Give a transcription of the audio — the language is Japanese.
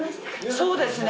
そうですね。